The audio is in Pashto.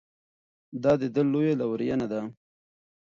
دا د ده لویه لورینه ده.